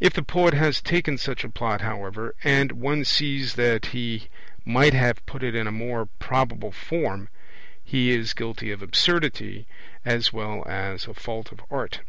If the poet has taken such a Plot, however, and one sees that he might have put it in a more probable form, he is guilty of absurdity as well as a fault of art.